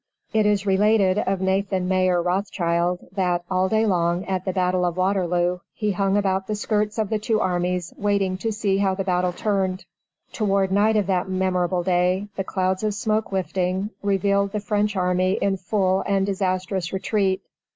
It is related of Nathan Mayer Rothschild that, all day long, at the battle of Waterloo, he hung about the skirts of the two armies, waiting to see how the battle turned. Toward night of that memorable day, the clouds of smoke lifting, revealed the French army in full and disastrous retreat.